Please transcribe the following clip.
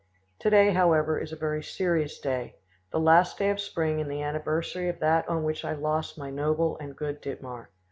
"Today, however, is a very serious day, the last day of spring and the anniversary of that on which I lost my noble and good Dittmar.